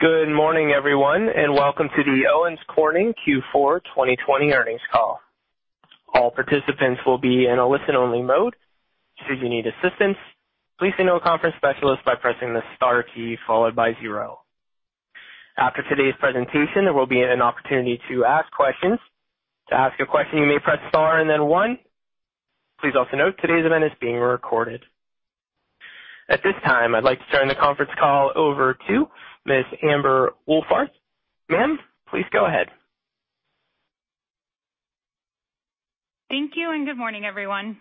Good morning, everyone, and welcome to the Owens Corning Q4 2020 earnings call. All participants will be in a listen-only mode. Should you need assistance, please contact the conference specialist by pressing the star key followed by zero. After today's presentation, there will be an opportunity to ask questions. To ask a question, you may press star and then one. Please also note today's event is being recorded. At this time, I'd like to turn the conference call over to Ms. Amber Wohlfarth. Ma'am, please go ahead. Thank you and good morning, everyone.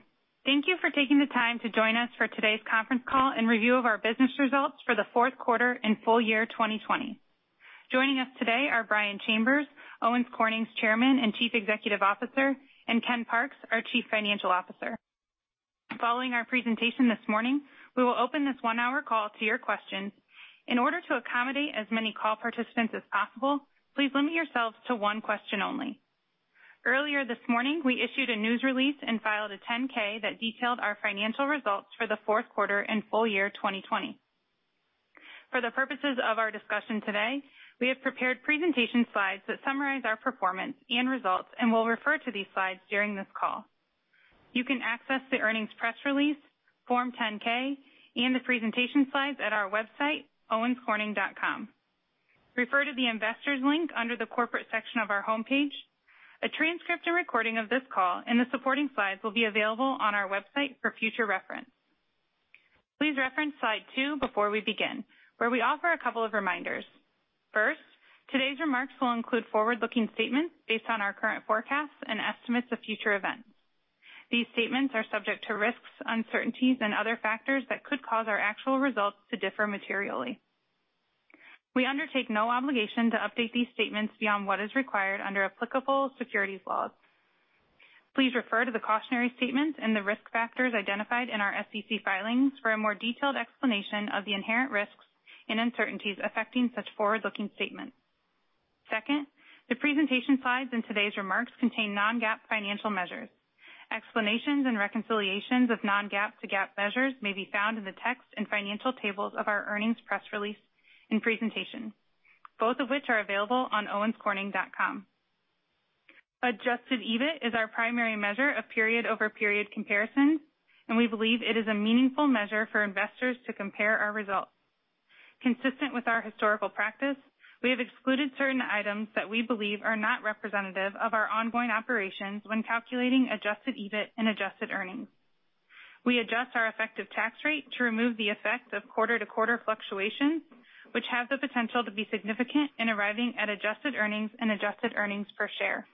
Thank you for taking the time to join us for today's conference call and review of our business results for the fourth quarter and full year 2020. Joining us today are Brian Chambers, Owens Corning's Chairman and Chief Executive Officer, and Ken Parks, our Chief Financial Officer. Following our presentation this morning, we will open this one-hour call to your questions. In order to accommodate as many call participants as possible, please limit yourselves to one question only. Earlier this morning, we issued a news release and filed a 10-K that detailed our financial results for the fourth quarter and full year 2020. For the purposes of our discussion today, we have prepared presentation slides that summarize our performance and results, and we'll refer to these slides during this call. You can access the earnings press release, Form 10-K, and the presentation slides at our website, owenscorning.com. Refer to the investors' link under the corporate section of our homepage. A transcript and recording of this call and the supporting slides will be available on our website for future reference. Please reference slide two before we begin, where we offer a couple of reminders. First, today's remarks will include forward-looking statements based on our current forecasts and estimates of future events. These statements are subject to risks, uncertainties, and other factors that could cause our actual results to differ materially. We undertake no obligation to update these statements beyond what is required under applicable securities laws. Please refer to the cautionary statements and the risk factors identified in our SEC filings for a more detailed explanation of the inherent risks and uncertainties affecting such forward-looking statements. Second, the presentation slides and today's remarks contain non-GAAP financial measures. Explanations and reconciliations of non-GAAP to GAAP measures may be found in the text and financial tables of our earnings press release and presentation, both of which are available on owenscorning.com. Adjusted EBIT is our primary measure of period-over-period comparisons, and we believe it is a meaningful measure for investors to compare our results. Consistent with our historical practice, we have excluded certain items that we believe are not representative of our ongoing operations when calculating adjusted EBIT and adjusted earnings. We adjust our effective tax rate to remove the effect of quarter-to-quarter fluctuations, which have the potential to be significant in arriving at adjusted earnings and adjusted earnings per share.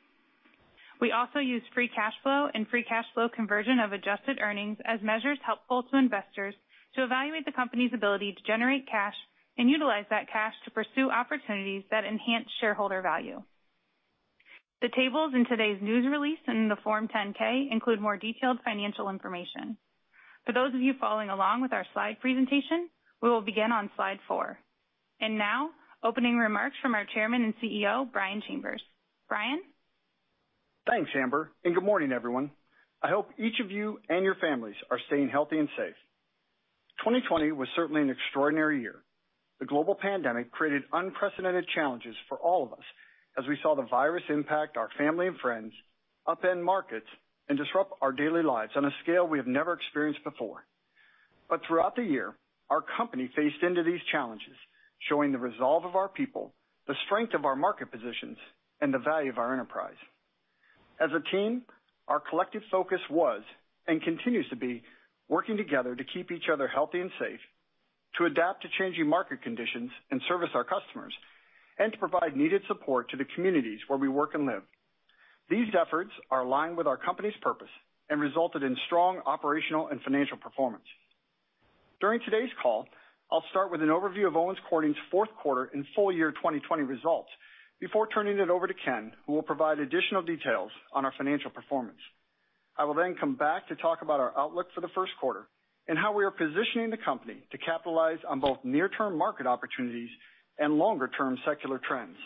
We also use free cash flow and free cash flow conversion of adjusted earnings as measures helpful to investors to evaluate the company's ability to generate cash and utilize that cash to pursue opportunities that enhance shareholder value. The tables in today's news release and the Form 10-K include more detailed financial information. For those of you following along with our slide presentation, we will begin on slide four. And now, opening remarks from our Chairman and CEO, Brian Chambers. Brian? Thanks, Amber, and good morning, everyone. I hope each of you and your families are staying healthy and safe. 2020 was certainly an extraordinary year. The global pandemic created unprecedented challenges for all of us as we saw the virus impact our family and friends, upend markets, and disrupt our daily lives on a scale we have never experienced before. But throughout the year, our company faced into these challenges, showing the resolve of our people, the strength of our market positions, and the value of our enterprise. As a team, our collective focus was and continues to be working together to keep each other healthy and safe, to adapt to changing market conditions and service our customers, and to provide needed support to the communities where we work and live. These efforts are aligned with our company's purpose and resulted in strong operational and financial performance. During today's call, I'll start with an overview of Owens Corning's fourth quarter and full year 2020 results before turning it over to Ken, who will provide additional details on our financial performance. I will then come back to talk about our outlook for the first quarter and how we are positioning the company to capitalize on both near-term market opportunities and longer-term secular trends.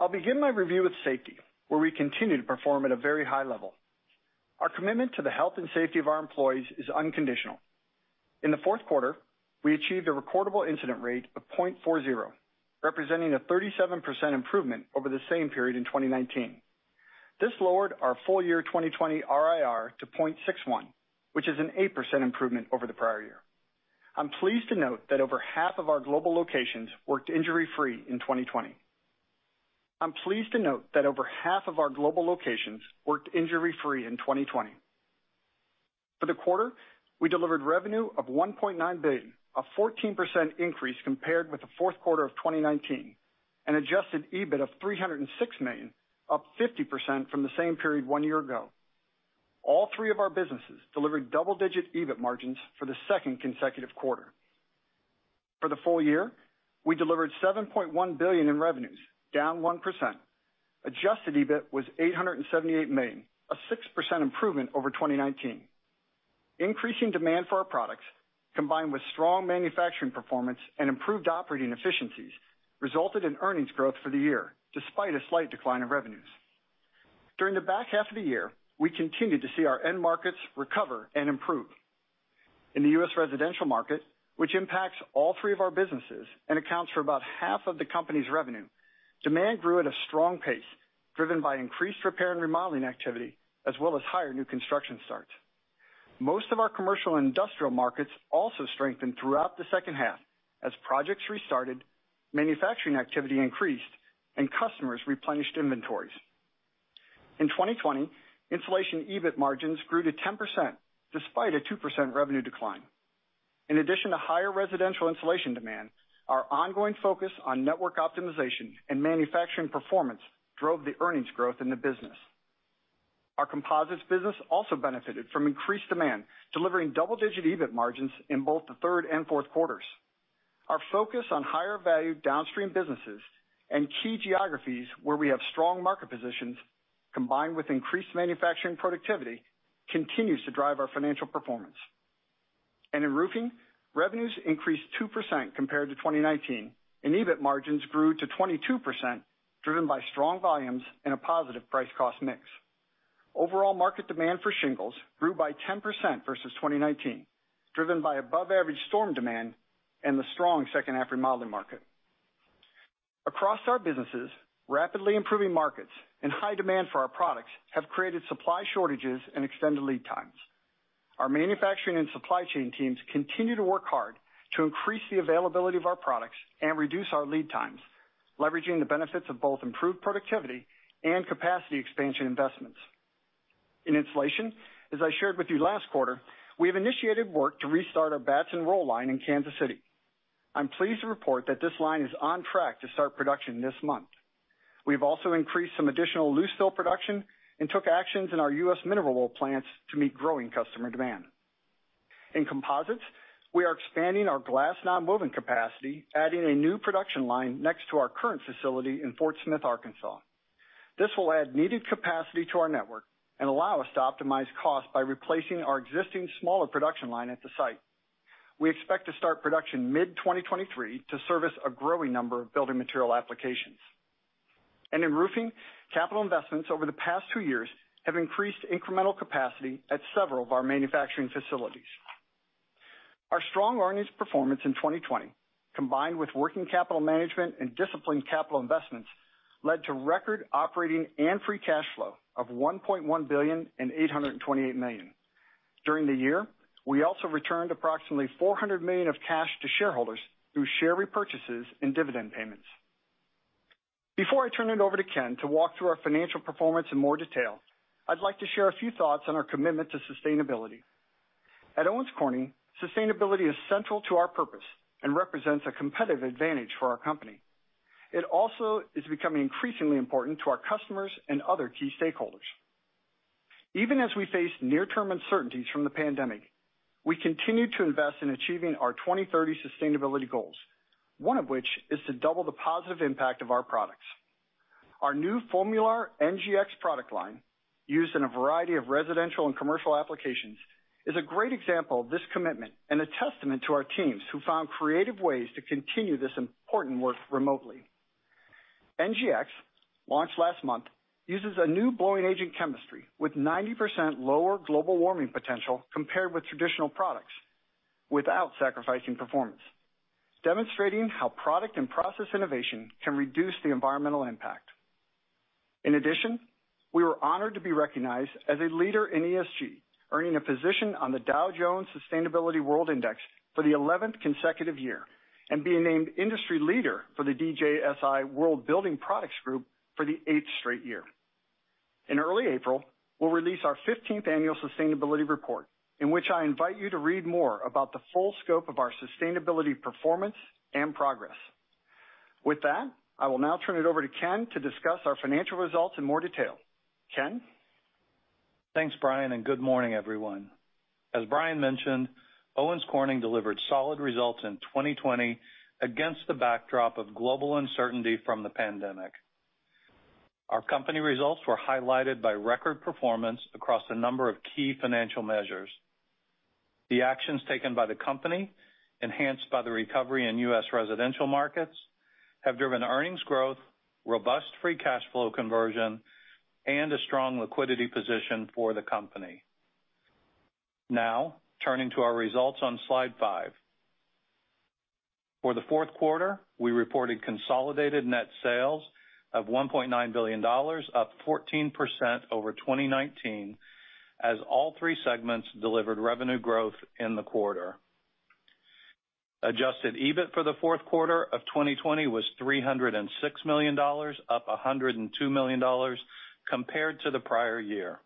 I'll begin my review with safety, where we continue to perform at a very high level. Our commitment to the health and safety of our employees is unconditional. In the fourth quarter, we achieved a recordable incident rate of 0.40, representing a 37% improvement over the same period in 2019. This lowered our full year 2020 RIR to 0.61, which is an 8% improvement over the prior year. I'm pleased to note that over half of our global locations worked injury-free in 2020. I'm pleased to note that over half of our global locations worked injury-free in 2020. For the quarter, we delivered revenue of $1.9 billion, a 14% increase compared with the fourth quarter of 2019, and adjusted EBIT of $306 million, up 50% from the same period one year ago. All three of our businesses delivered double-digit EBIT margins for the second consecutive quarter. For the full year, we delivered $7.1 billion in revenues, down 1%. Adjusted EBIT was $878 million, a 6% improvement over 2019. Increasing demand for our products, combined with strong manufacturing performance and improved operating efficiencies, resulted in earnings growth for the year, despite a slight decline in revenues. During the back half of the year, we continued to see our end markets recover and improve. In the U.S. residential market, which impacts all three of our businesses and accounts for about half of the company's revenue. Demand grew at a strong pace, driven by increased repair and remodeling activity, as well as higher new construction starts. Most of our commercial and industrial markets also strengthened throughout the second half as projects restarted, manufacturing activity increased, and customers replenished inventories. In 2020, insulation EBIT margins grew to 10%, despite a 2% revenue decline. In addition to higher residential insulation demand, our ongoing focus on network optimization and manufacturing performance drove the earnings growth in the business. Our composites business also benefited from increased demand, delivering double-digit EBIT margins in both the third and fourth quarters. Our focus on higher-value downstream businesses and key geographies where we have strong market positions, combined with increased manufacturing productivity, continues to drive our financial performance. In roofing, revenues increased 2% compared to 2019, and EBIT margins grew to 22%, driven by strong volumes and a positive price-cost mix. Overall market demand for shingles grew by 10% versus 2019, driven by above-average storm demand and the strong second half remodeling market. Across our businesses, rapidly improving markets and high demand for our products have created supply shortages and extended lead times. Our manufacturing and supply chain teams continue to work hard to increase the availability of our products and reduce our lead times, leveraging the benefits of both improved productivity and capacity expansion investments. In insulation, as I shared with you last quarter, we have initiated work to restart our batts and roll line in Kansas City. I'm pleased to report that this line is on track to start production this month. We have also increased some additional loose fill production and took actions in our U.S. mineral wool plants to meet growing customer demand. In composites, we are expanding our glass nonwovens capacity, adding a new production line next to our current facility in Fort Smith, Arkansas. This will add needed capacity to our network and allow us to optimize costs by replacing our existing smaller production line at the site. We expect to start production mid-2023 to service a growing number of building material applications. And in roofing, capital investments over the past two years have increased incremental capacity at several of our manufacturing facilities. Our strong earnings performance in 2020, combined with working capital management and disciplined capital investments, led to record operating and free cash flow of $1.1 billion and $828 million. During the year, we also returned approximately $400 million of cash to shareholders through share repurchases and dividend payments. Before I turn it over to Ken to walk through our financial performance in more detail, I'd like to share a few thoughts on our commitment to sustainability. At Owens Corning, sustainability is central to our purpose and represents a competitive advantage for our company. It also is becoming increasingly important to our customers and other key stakeholders. Even as we face near-term uncertainties from the pandemic, we continue to invest in achieving our 2030 sustainability goals, one of which is to double the positive impact of our products. Our new FOAMULAR NGX product line, used in a variety of residential and commercial applications, is a great example of this commitment and a testament to our teams who found creative ways to continue this important work remotely. NGX, launched last month, uses a new blowing agent chemistry with 90% lower global warming potential compared with traditional products, without sacrificing performance, demonstrating how product and process innovation can reduce the environmental impact. In addition, we were honored to be recognized as a leader in ESG, earning a position on the Dow Jones Sustainability World Index for the 11th consecutive year and being named industry leader for the DJSI World Building Products Group for the eighth straight year. In early April, we'll release our 15th annual sustainability report, in which I invite you to read more about the full scope of our sustainability performance and progress. With that, I will now turn it over to Ken to discuss our financial results in more detail. Ken. Thanks, Brian, and good morning, everyone. As Brian mentioned, Owens Corning delivered solid results in 2020 against the backdrop of global uncertainty from the pandemic. Our company results were highlighted by record performance across a number of key financial measures. The actions taken by the company, enhanced by the recovery in U.S. residential markets, have driven earnings growth, robust free cash flow conversion, and a strong liquidity position for the company. Now, turning to our results on Slide five. For the fourth quarter, we reported consolidated net sales of $1.9 billion, up 14% over 2019, as all three segments delivered revenue growth in the quarter. Adjusted EBIT for the fourth quarter of 2020 was $306 million, up $102 million compared to the prior year.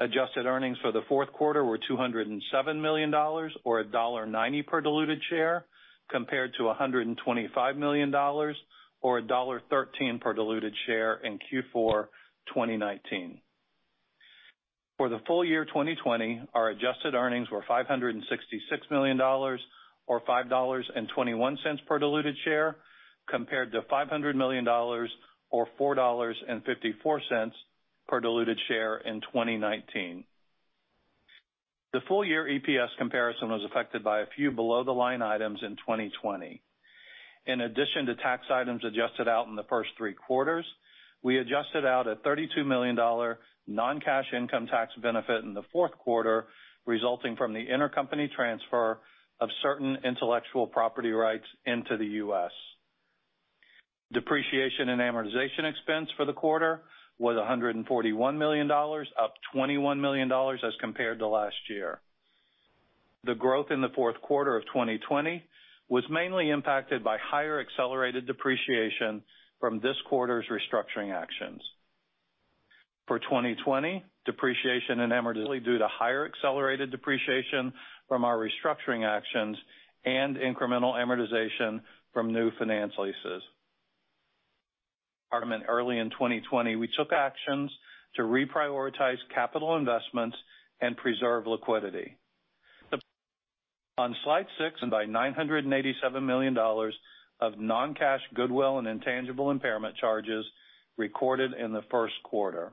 Adjusted earnings for the fourth quarter were $207 million, or $1.90 per diluted share, compared to $125 million, or $1.13 per diluted share in Q4 2019. For the full year 2020, our adjusted earnings were $566 million, or $5.21 per diluted share, compared to $500 million, or $4.54 per diluted share in 2019. The full year EPS comparison was affected by a few below-the-line items in 2020. In addition to tax items adjusted out in the first three quarters, we adjusted out a $32 million non-cash income tax benefit in the fourth quarter, resulting from the intercompany transfer of certain intellectual property rights into the U.S., Depreciation and amortization expense for the quarter was $141 million, up $21 million as compared to last year. The growth in the fourth quarter of 2020 was mainly impacted by higher accelerated depreciation from this quarter's restructuring actions. For 2020, depreciation and amortization were due to higher accelerated depreciation from our restructuring actions and incremental amortization from new finance leases. Early in 2020, we took actions to reprioritize capital investments and preserve liquidity. On Slide six, by $987 million of non-cash goodwill and intangible impairment charges recorded in the first quarter.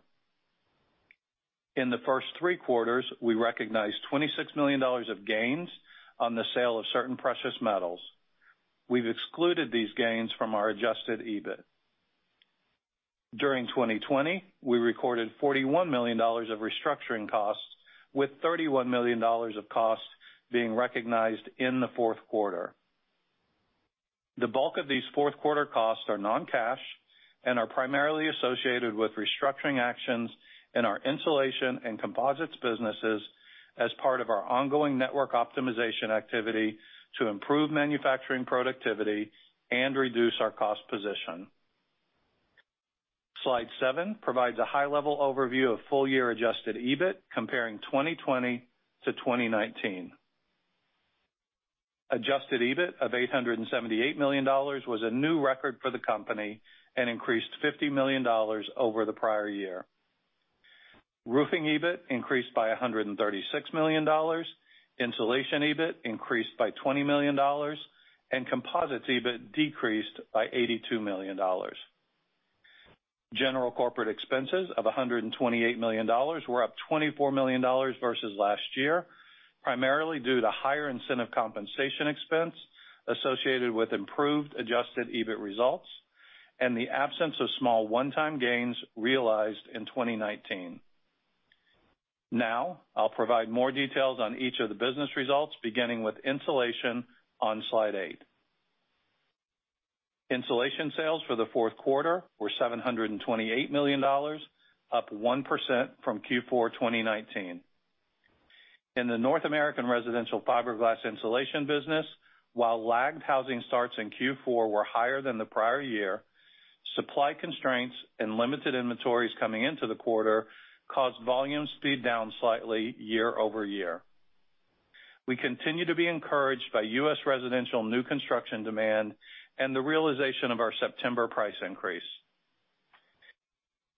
In the first three quarters, we recognized $26 million of gains on the sale of certain precious metals. We've excluded these gains from our adjusted EBIT. During 2020, we recorded $41 million of restructuring costs, with $31 million of costs being recognized in the fourth quarter. The bulk of these fourth-quarter costs are non-cash and are primarily associated with restructuring actions in our insulation and composites businesses as part of our ongoing network optimization activity to improve manufacturing productivity and reduce our cost position. Slide seven provides a high-level overview of full year adjusted EBIT, comparing 2020 to 2019. Adjusted EBIT of $878 million was a new record for the company and increased $50 million over the prior year. Roofing EBIT increased by $136 million, insulation EBIT increased by $20 million, and composites EBIT decreased by $82 million. General corporate expenses of $128 million were up $24 million versus last year, primarily due to higher incentive compensation expense associated with improved adjusted EBIT results and the absence of small one-time gains realized in 2019. Now, I'll provide more details on each of the business results, beginning with insulation on Slide eight. Insulation sales for the fourth quarter were $728 million, up 1% from Q4 2019. In the North American residential fiberglass insulation business, while lagged housing starts in Q4 were higher than the prior year, supply constraints and limited inventories coming into the quarter caused volumes to be down slightly year over year. We continue to be encouraged by U.S. residential new construction demand and the realization of our September price increase.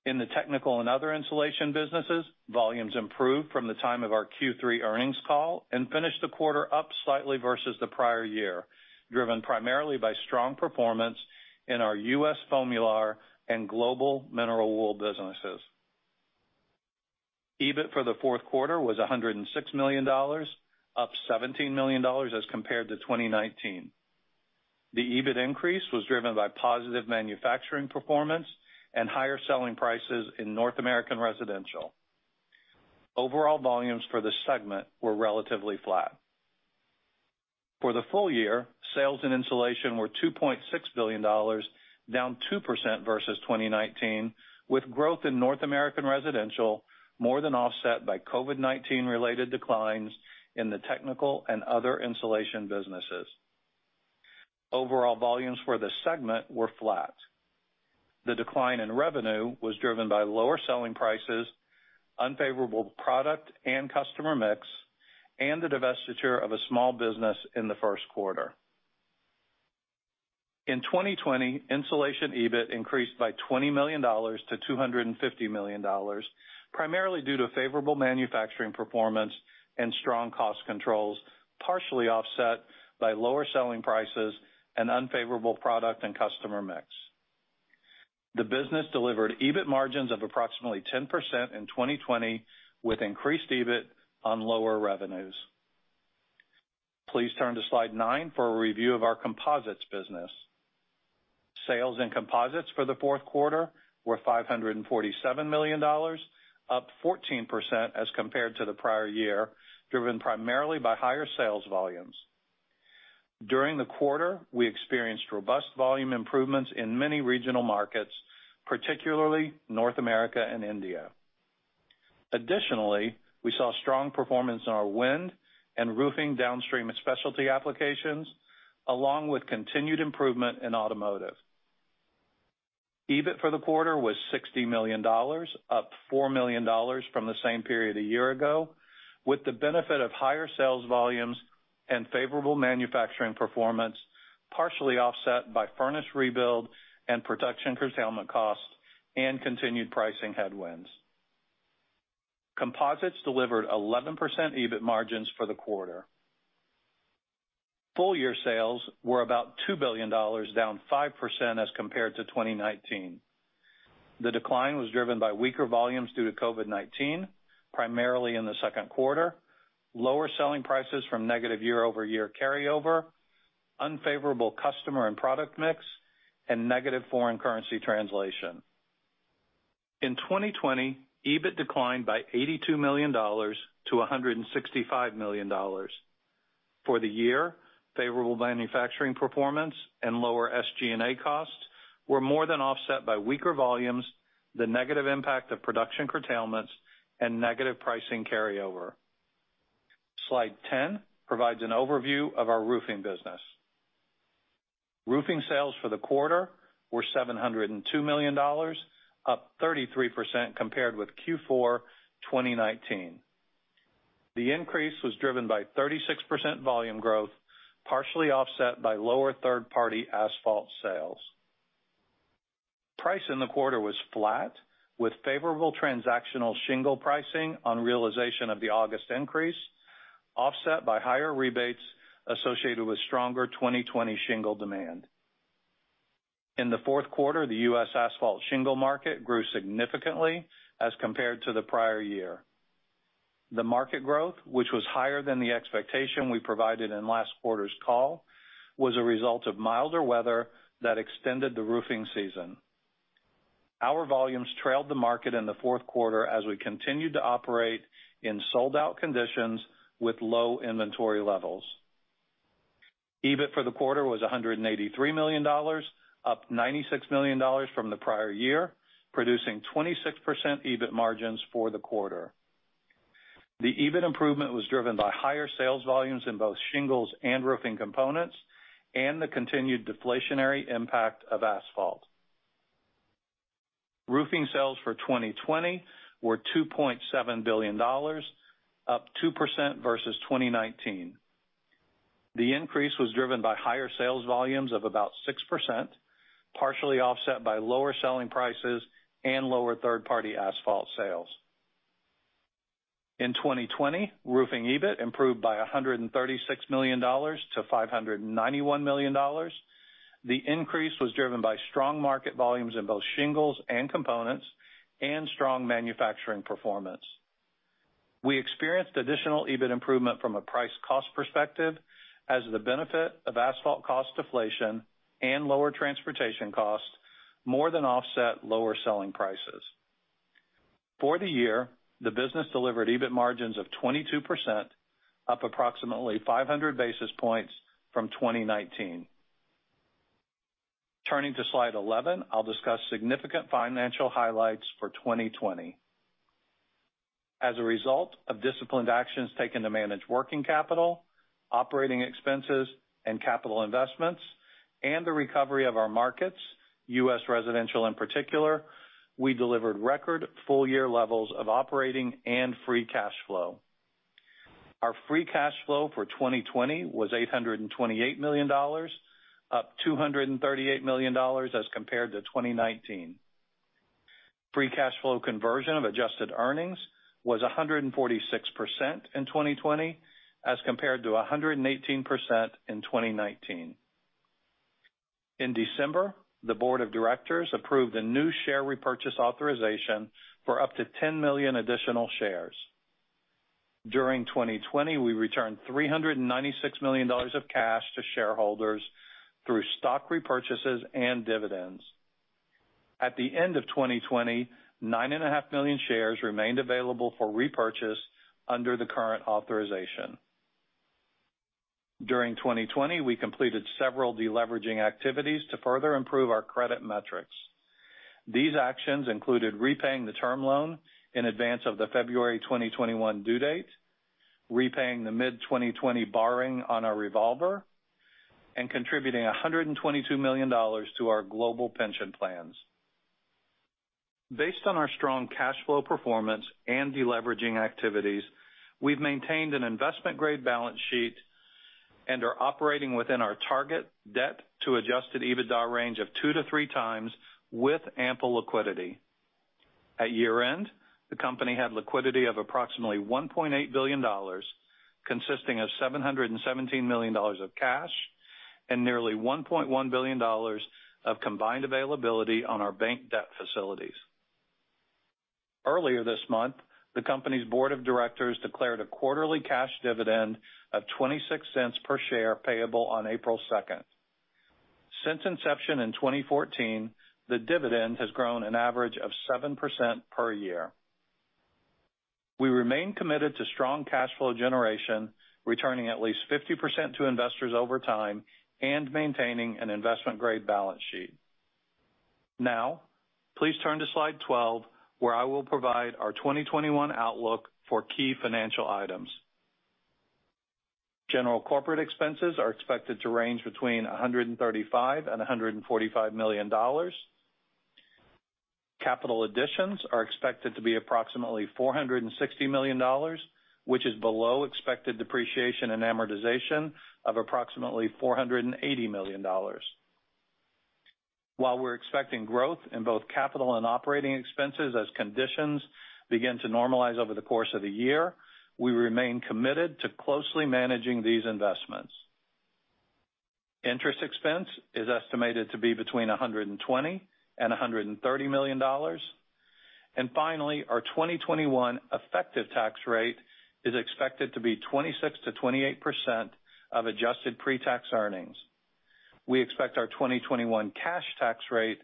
In the technical and other insulation businesses, volumes improved from the time of our Q3 earnings call and finished the quarter up slightly versus the prior year, driven primarily by strong performance in our U.S. FOAMULAR and global mineral wool businesses. EBIT for the fourth quarter was $106 million, up $17 million as compared to 2019. The EBIT increase was driven by positive manufacturing performance and higher selling prices in North American residential. Overall volumes for the segment were relatively flat. For the full year, sales in insulation were $2.6 billion, down 2% versus 2019, with growth in North American residential more than offset by COVID-19-related declines in the technical and other insulation businesses. Overall volumes for the segment were flat. The decline in revenue was driven by lower selling prices, unfavorable product and customer mix, and the divestiture of a small business in the first quarter. In 2020, insulation EBIT increased by $20 million to $250 million, primarily due to favorable manufacturing performance and strong cost controls, partially offset by lower selling prices and unfavorable product and customer mix. The business delivered EBIT margins of approximately 10% in 2020, with increased EBIT on lower revenues. Please turn to Slide nine for a review of our composites business. Sales in composites for the fourth quarter were $547 million, up 14% as compared to the prior year, driven primarily by higher sales volumes. During the quarter, we experienced robust volume improvements in many regional markets, particularly North America and India. Additionally, we saw strong performance in our wind and roofing downstream specialty applications, along with continued improvement in automotive. EBIT for the quarter was $60 million, up $4 million from the same period a year ago, with the benefit of higher sales volumes and favorable manufacturing performance, partially offset by furnace rebuild and production curtailment costs and continued pricing headwinds. Composites delivered 11% EBIT margins for the quarter. Full year sales were about $2 billion, down 5% as compared to 2019. The decline was driven by weaker volumes due to COVID-19, primarily in the second quarter, lower selling prices from negative year-over-year carryover, unfavorable customer and product mix, and negative foreign currency translation. In 2020, EBIT declined by $82 million to $165 million. For the year, favorable manufacturing performance and lower SG&A costs were more than offset by weaker volumes, the negative impact of production curtailments, and negative pricing carryover. Slide 10 provides an overview of our roofing business. Roofing sales for the quarter were $702 million, up 33% compared with Q4 2019. The increase was driven by 36% volume growth, partially offset by lower third-party asphalt sales. Price in the quarter was flat, with favorable transactional shingle pricing on realization of the August increase, offset by higher rebates associated with stronger 2020 shingle demand. In the fourth quarter, the U.S. asphalt shingle market grew significantly as compared to the prior year. The market growth, which was higher than the expectation we provided in last quarter's call, was a result of milder weather that extended the roofing season. Our volumes trailed the market in the fourth quarter as we continued to operate in sold-out conditions with low inventory levels. EBIT for the quarter was $183 million, up $96 million from the prior year, producing 26% EBIT margins for the quarter. The EBIT improvement was driven by higher sales volumes in both shingles and roofing components and the continued deflationary impact of asphalt. Roofing sales for 2020 were $2.7 billion, up 2% versus 2019. The increase was driven by higher sales volumes of about 6%, partially offset by lower selling prices and lower third-party asphalt sales. In 2020, roofing EBIT improved by $136 million to $591 million. The increase was driven by strong market volumes in both shingles and components and strong manufacturing performance. We experienced additional EBIT improvement from a price-cost perspective as the benefit of asphalt cost deflation and lower transportation costs more than offset lower selling prices. For the year, the business delivered EBIT margins of 22%, up approximately 500 basis points from 2019. Turning to Slide 11, I'll discuss significant financial highlights for 2020. As a result of disciplined actions taken to manage working capital, operating expenses, and capital investments, and the recovery of our markets, U.S. residential in particular, we delivered record full year levels of operating and free cash flow. Our free cash flow for 2020 was $828 million, up $238 million as compared to 2019. Free cash flow conversion of adjusted earnings was 146% in 2020 as compared to 118% in 2019. In December, the board of directors approved a new share repurchase authorization for up to 10 million additional shares. During 2020, we returned $396 million of cash to shareholders through stock repurchases and dividends. At the end of 2020, 9.5 million shares remained available for repurchase under the current authorization. During 2020, we completed several deleveraging activities to further improve our credit metrics. These actions included repaying the term loan in advance of the February 2021 due date, repaying the mid-2020 borrowing on our revolver, and contributing $122 million to our global pension plans. Based on our strong cash flow performance and deleveraging activities, we've maintained an investment-grade balance sheet and are operating within our target debt-to-adjusted EBITDA range of two to three times with ample liquidity. At year-end, the company had liquidity of approximately $1.8 billion, consisting of $717 million of cash and nearly $1.1 billion of combined availability on our bank debt facilities. Earlier this month, the company's board of directors declared a quarterly cash dividend of $0.26 per share payable on April 2nd. Since inception in 2014, the dividend has grown an average of 7% per year. We remain committed to strong cash flow generation, returning at least 50% to investors over time, and maintaining an investment-grade balance sheet. Now, please turn to Slide 12, where I will provide our 2021 outlook for key financial items. General corporate expenses are expected to range between $135 million and $145 million. Capital additions are expected to be approximately $460 million, which is below expected depreciation and amortization of approximately $480 million. While we're expecting growth in both capital and operating expenses as conditions begin to normalize over the course of the year, we remain committed to closely managing these investments. Interest expense is estimated to be between $120 million and $130 million. And finally, our 2021 effective tax rate is expected to be 26%-28% of adjusted pre-tax earnings. We expect our 2021 cash tax rate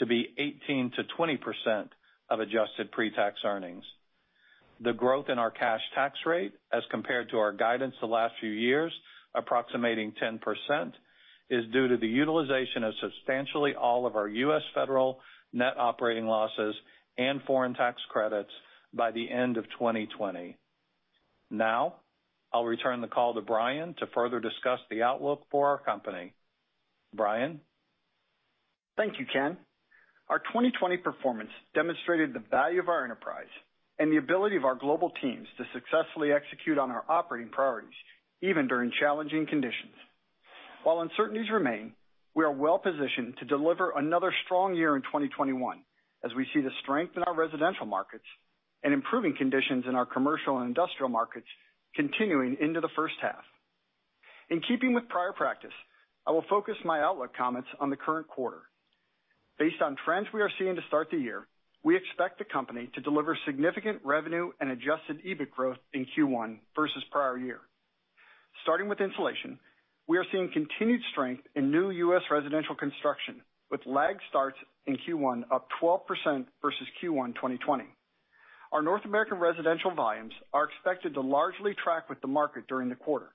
to be 18%-20% of adjusted pre-tax earnings. The growth in our cash tax rate as compared to our guidance the last few years, approximating 10%, is due to the utilization of substantially all of our U.S. federal net operating losses and foreign tax credits by the end of 2020. Now, I'll return the call to Brian to further discuss the outlook for our company. Brian? Thank you, Ken. Our 2020 performance demonstrated the value of our enterprise and the ability of our global teams to successfully execute on our operating priorities, even during challenging conditions. While uncertainties remain, we are well-positioned to deliver another strong year in 2021 as we see the strength in our residential markets and improving conditions in our commercial and industrial markets continuing into the first half. In keeping with prior practice, I will focus my outlook comments on the current quarter. Based on trends we are seeing to start the year, we expect the company to deliver significant revenue and Adjusted EBIT growth in Q1 versus prior year. Starting with insulation, we are seeing continued strength in new U.S. residential construction with lagged starts in Q1, up 12% versus Q1 2020. Our North American residential volumes are expected to largely track with the market during the quarter,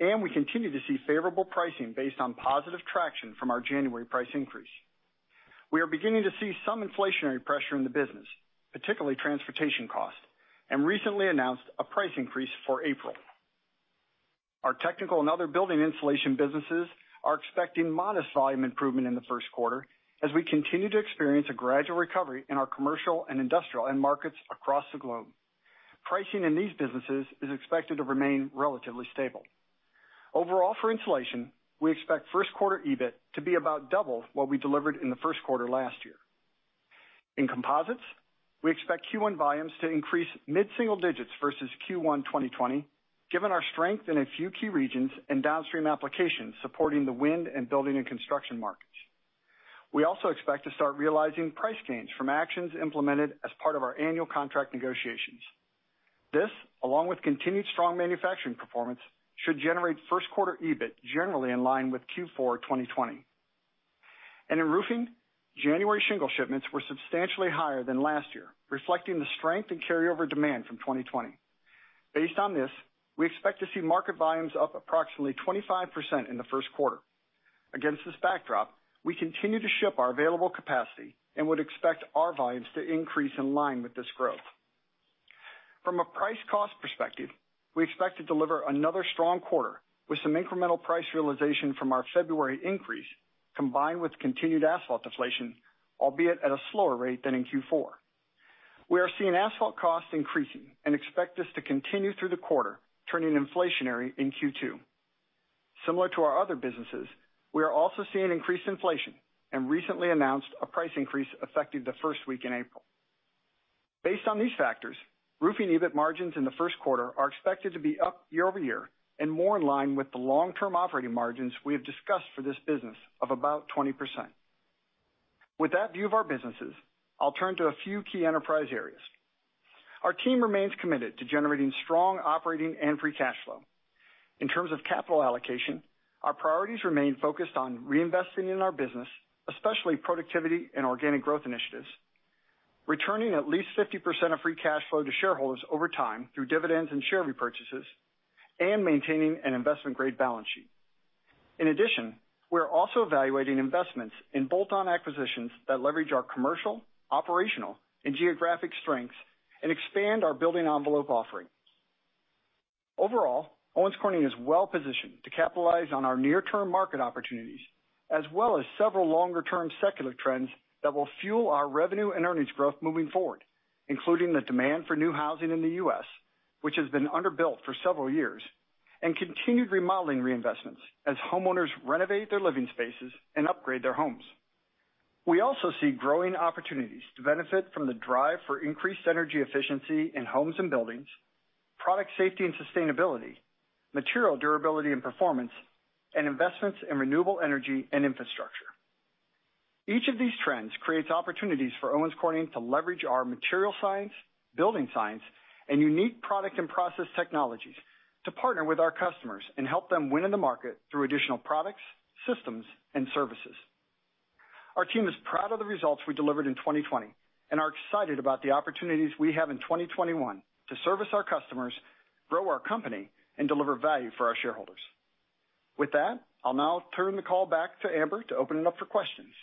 and we continue to see favorable pricing based on positive traction from our January price increase. We are beginning to see some inflationary pressure in the business, particularly transportation costs, and recently announced a price increase for April. Our technical and other building insulation businesses are expecting modest volume improvement in the first quarter as we continue to experience a gradual recovery in our commercial and industrial markets across the globe. Pricing in these businesses is expected to remain relatively stable. Overall, for insulation, we expect first-quarter EBIT to be about double what we delivered in the first quarter last year. In composites, we expect Q1 volumes to increase mid-single digits versus Q1 2020, given our strength in a few key regions and downstream applications supporting the wind and building and construction markets. We also expect to start realizing price gains from actions implemented as part of our annual contract negotiations. This, along with continued strong manufacturing performance, should generate first-quarter EBIT generally in line with Q4 2020, and in roofing, January shingle shipments were substantially higher than last year, reflecting the strength and carryover demand from 2020. Based on this, we expect to see market volumes up approximately 25% in the first quarter. Against this backdrop, we continue to ship our available capacity and would expect our volumes to increase in line with this growth. From a price-cost perspective, we expect to deliver another strong quarter with some incremental price realization from our February increase, combined with continued asphalt deflation, albeit at a slower rate than in Q4. We are seeing asphalt costs increasing and expect this to continue through the quarter, turning inflationary in Q2. Similar to our other businesses, we are also seeing increased inflation and recently announced a price increase affecting the first week in April. Based on these factors, roofing EBIT margins in the first quarter are expected to be up year-over-year and more in line with the long-term operating margins we have discussed for this business of about 20%. With that view of our businesses, I'll turn to a few key enterprise areas. Our team remains committed to generating strong operating and free cash flow. In terms of capital allocation, our priorities remain focused on reinvesting in our business, especially productivity and organic growth initiatives, returning at least 50% of free cash flow to shareholders over time through dividends and share repurchases, and maintaining an investment-grade balance sheet. In addition, we are also evaluating investments in bolt-on acquisitions that leverage our commercial, operational, and geographic strengths and expand our building envelope offering. Overall, Owens Corning is well-positioned to capitalize on our near-term market opportunities, as well as several longer-term secular trends that will fuel our revenue and earnings growth moving forward, including the demand for new housing in the U.S., which has been underbuilt for several years, and continued remodeling reinvestments as homeowners renovate their living spaces and upgrade their homes. We also see growing opportunities to benefit from the drive for increased energy efficiency in homes and buildings, product safety and sustainability, material durability and performance, and investments in renewable energy and infrastructure. Each of these trends creates opportunities for Owens Corning to leverage our material science, building science, and unique product and process technologies to partner with our customers and help them win in the market through additional products, systems, and services. Our team is proud of the results we delivered in 2020 and are excited about the opportunities we have in 2021 to service our customers, grow our company, and deliver value for our shareholders. With that, I'll now turn the call back to Amber to open it up for questions.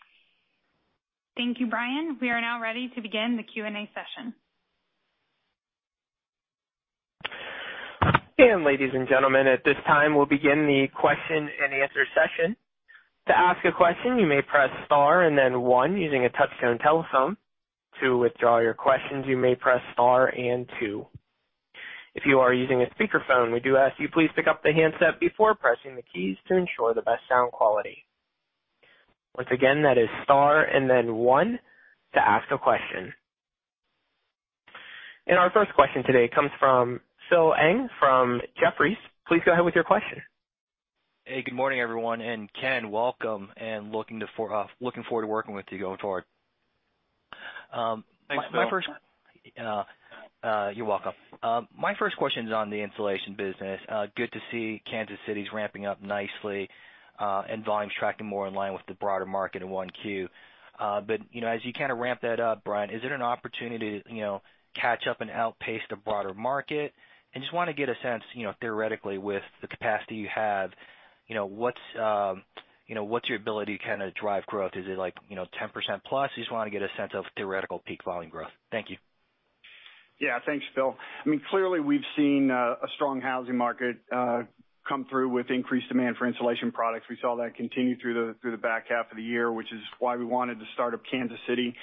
Thank you, Brian. We are now ready to begin the Q&A session. And ladies and gentlemen, at this time, we'll begin the question and answer session. To ask a question, you may press star and then one using a touchscreen telephone. To withdraw your questions, you may press star and two. If you are using a speakerphone, we do ask you please pick up the handset before pressing the keys to ensure the best sound quality. Once again, that is star and then one to ask a question. And our first question today comes from Philip Ng from Jefferies. Please go ahead with your question. Hey, good morning, everyone. And Ken, welcome, and looking forward to working with you going forward. My first question. You're welcome. My first question is on the insulation business. Good to see Kansas City's ramping up nicely and volumes tracking more in line with the broader market in Q1. But as you kind of ramp that up, Brian, is it an opportunity to catch up and outpace the broader market? And just want to get a sense, theoretically, with the capacity you have, what's your ability to kind of drive growth? Is it like 10% plus? I just want to get a sense of theoretical peak volume growth. Thank you. Yeah, thanks, Phil. I mean, clearly, we've seen a strong housing market come through with increased demand for insulation products. We saw that continue through the back half of the year, which is why we wanted to start up Kansas City.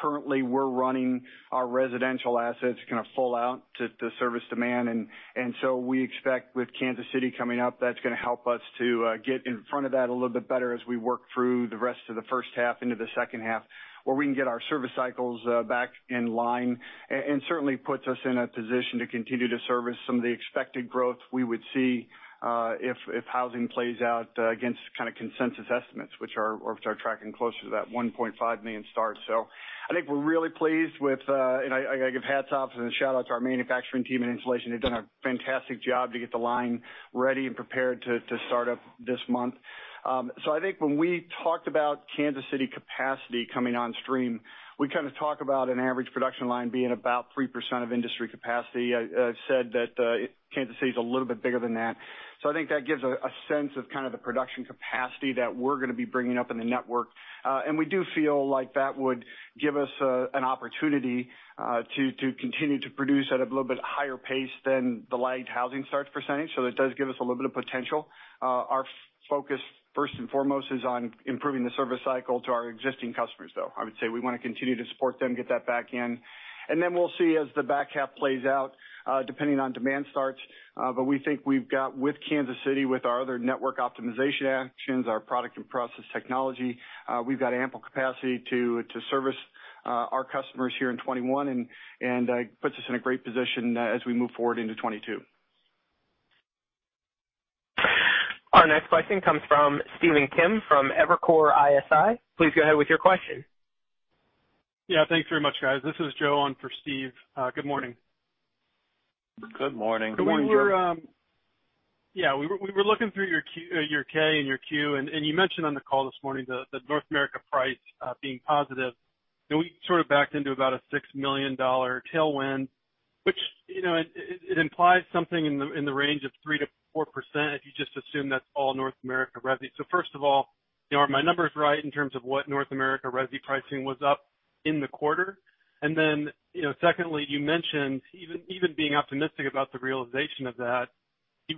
Currently, we're running our residential assets kind of full out to service demand. And so we expect with Kansas City coming up, that's going to help us to get in front of that a little bit better as we work through the rest of the first half into the second half, where we can get our service cycles back in line. Certainly, it puts us in a position to continue to service some of the expected growth we would see if housing plays out against kind of consensus estimates, which are tracking closer to that 1.5 million start. So I think we're really pleased with, and I give hats off and a shout-out to our manufacturing team and insulation. They've done a fantastic job to get the line ready and prepared to start up this month. So I think when we talked about Kansas City capacity coming on stream, we kind of talked about an average production line being about 3% of industry capacity. I've said that Kansas City is a little bit bigger than that. So I think that gives a sense of kind of the production capacity that we're going to be bringing up in the network. And we do feel like that would give us an opportunity to continue to produce at a little bit higher pace than the lagged housing starts percentage. So it does give us a little bit of potential. Our focus, first and foremost, is on improving the service cycle to our existing customers, though. I would say we want to continue to support them, get that back in. And then we'll see as the back half plays out, depending on demand starts. But we think we've got with Kansas City, with our other network optimization actions, our product and process technology, we've got ample capacity to service our customers here in 2021, and it puts us in a great position as we move forward into 2022. Our next question comes from Stephen Kim from Evercore ISI. Please go ahead with your question. Yeah, thanks very much, guys. This is Joe on for Steve. Good morning. Good morning, Brian. Good morning, Joe. Yeah, we were looking through your 10-K and your 10-Q, and you mentioned on the call this morning the North America price being positive. And we sort of backed into about a $6 million tailwind, which it implies something in the range of 3%-4% if you just assume that's all North America revenue. So first of all, are my numbers right in terms of what North America revenue pricing was up in the quarter? And then secondly, you mentioned even being optimistic about the realization of that,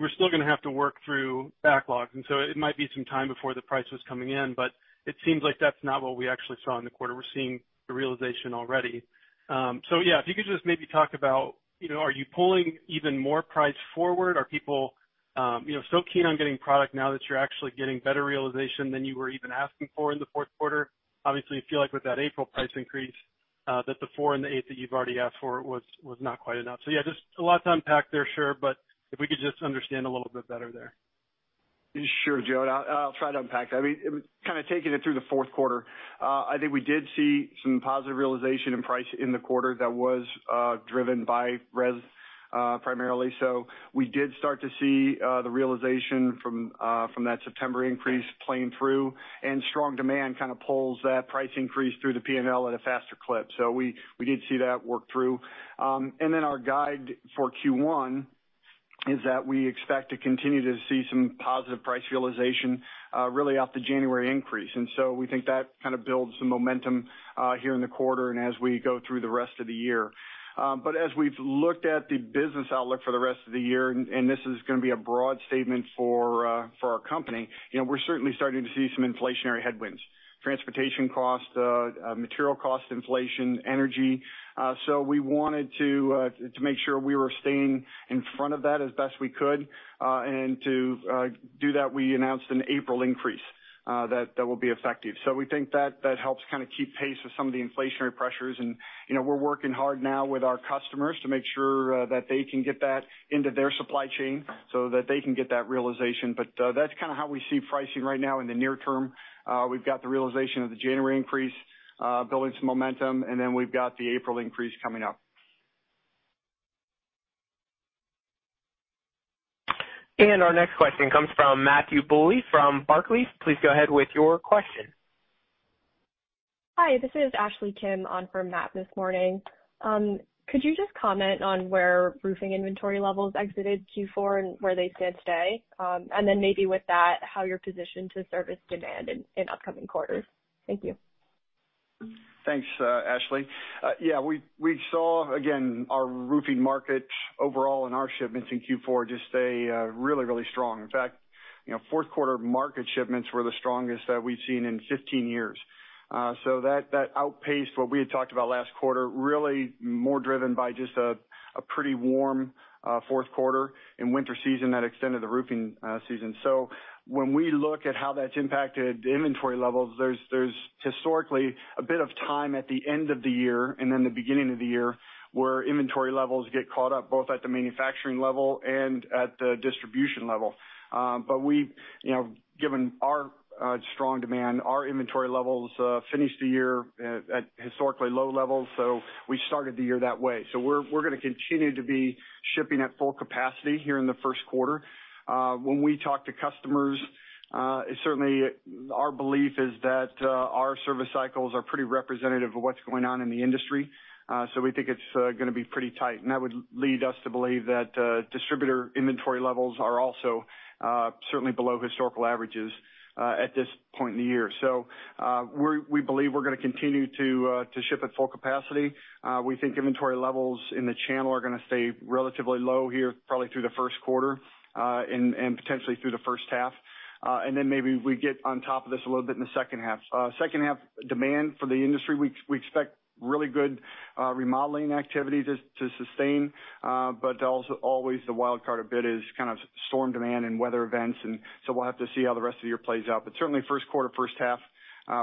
we're still going to have to work through backlogs. And so it might be some time before the price was coming in, but it seems like that's not what we actually saw in the quarter. We're seeing the realization already. So yeah, if you could just maybe talk about, are you pulling even more price forward? Are people so keen on getting product now that you're actually getting better realization than you were even asking for in the fourth quarter? Obviously, I feel like with that April price increase, that the four and the eight that you've already asked for was not quite enough. So yeah, just a lot to unpack there, sure, but if we could just understand a little bit better there. Sure, Joe. I'll try to unpack that. I mean, kind of taking it through the fourth quarter, I think we did see some positive realization in price in the quarter that was driven by Res primarily. So we did start to see the realization from that September increase playing through, and strong demand kind of pulls that price increase through the P&L at a faster clip. We did see that work through. And then our guide for Q1 is that we expect to continue to see some positive price realization really off the January increase. And so we think that kind of builds some momentum here in the quarter and as we go through the rest of the year. But as we've looked at the business outlook for the rest of the year, and this is going to be a broad statement for our company, we're certainly starting to see some inflationary headwinds: transportation cost, material cost inflation, energy. So we wanted to make sure we were staying in front of that as best we could. And to do that, we announced an April increase that will be effective. So we think that helps kind of keep pace with some of the inflationary pressures. And we're working hard now with our customers to make sure that they can get that into their supply chain so that they can get that realization. But that's kind of how we see pricing right now in the near term. We've got the realization of the January increase, building some momentum, and then we've got the April increase coming up. And our next question comes from Matthew Bouley from Barclays. Please go ahead with your question. Hi, this is Ashley Kim on for Matt this morning. Could you just comment on where roofing inventory levels exited Q4 and where they stand today? And then maybe with that, how you're positioned to service demand in upcoming quarters. Thank you. Thanks, Ashley. Yeah, we saw, again, our roofing market overall in our shipments in Q4 just stay really, really strong. In fact, fourth quarter market shipments were the strongest that we've seen in 15 years. So that outpaced what we had talked about last quarter, really more driven by just a pretty warm fourth quarter in winter season that extended the roofing season. So when we look at how that's impacted inventory levels, there's historically a bit of time at the end of the year and then the beginning of the year where inventory levels get caught up both at the manufacturing level and at the distribution level. But given our strong demand, our inventory levels finished the year at historically low levels, so we started the year that way. So we're going to continue to be shipping at full capacity here in the first quarter. When we talk to customers, certainly our belief is that our service cycles are pretty representative of what's going on in the industry. So we think it's going to be pretty tight. And that would lead us to believe that distributor inventory levels are also certainly below historical averages at this point in the year. So we believe we're going to continue to ship at full capacity. We think inventory levels in the channel are going to stay relatively low here, probably through the first quarter and potentially through the first half. And then maybe we get on top of this a little bit in the second half. Second half demand for the industry, we expect really good remodeling activities to sustain. But always the wildcard a bit is kind of storm demand and weather events. And so we'll have to see how the rest of the year plays out. But certainly, first quarter, first half,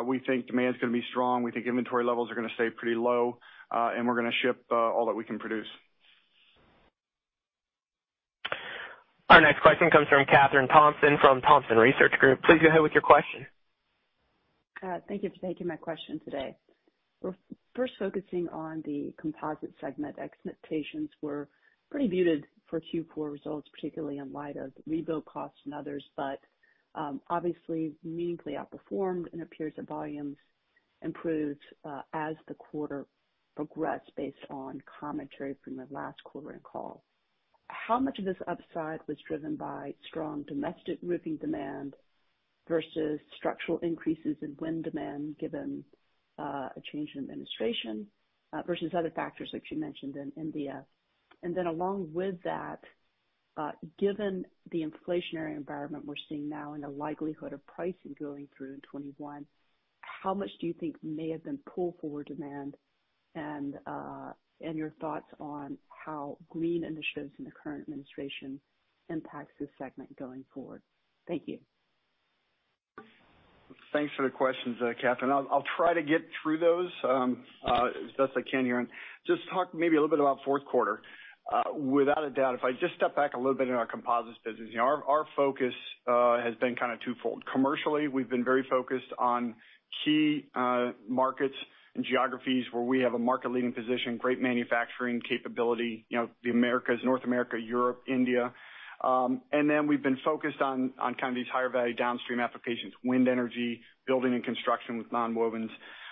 we think demand's going to be strong. We think inventory levels are going to stay pretty low, and we're going to ship all that we can produce. Our next question comes from Kathryn Thompson from Thompson Research Group. Please go ahead with your question. Thank you for taking my question today. We're first focusing on the composite segment. Expectations were pretty muted for Q4 results, particularly in light of rebuild costs and others, but obviously meaningfully outperformed. And it appears that volumes improved as the quarter progressed based on commentary from the last quarter and call. How much of this upside was driven by strong domestic roofing demand versus structural increases in wind demand given a change in administration versus other factors like you mentioned in India? And then along with that, given the inflationary environment we're seeing now and the likelihood of pricing going through in 2021, how much do you think may have been pulled forward demand? And your thoughts on how green initiatives in the current administration impacts this segment going forward? Thank you. Thanks for the questions, Kathryn. I'll try to get through those as best I can here. And just talk maybe a little bit about fourth quarter. Without a doubt, if I just step back a little bit in our composites business, our focus has been kind of twofold. Commercially, we've been very focused on key markets and geographies where we have a market-leading position, great manufacturing capability, the Americas, North America, Europe, India. And then we've been focused on kind of these higher-value downstream applications, wind energy, building and construction with nonwovens.